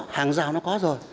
hàng giao nó có rồi